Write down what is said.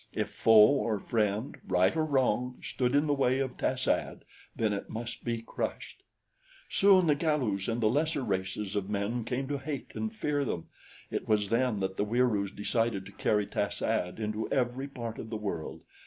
If foe or friend, right or wrong, stood in the way of tas ad, then it must be crushed. "Soon the Galus and the lesser races of men came to hate and fear them. It was then that the Wieroos decided to carry tas ad into every part of the world.